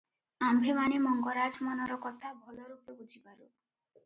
ଆମ୍ଭେମାନେ ମଙ୍ଗରାଜ ମନର କଥା ଭଲରୂପେ ବୁଝିପାରୁ ।